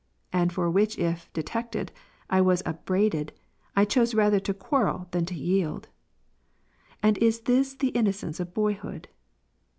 and for which, if detected, I was upbraided, I chose rather to quarrel, than to yield. And is this the innocence of boyhood